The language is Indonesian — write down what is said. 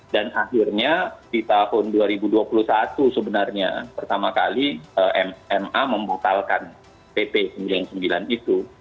akhirnya di tahun dua ribu dua puluh satu sebenarnya pertama kali ma membatalkan pp sembilan puluh sembilan itu